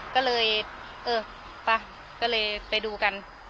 ก็เลยเออไปก็เลยไปดูกัน